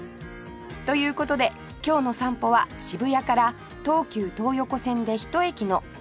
という事で今日の散歩は渋谷から東急東横線でひと駅の代官山